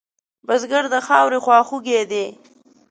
بزګر د خاورې خواخوږی دی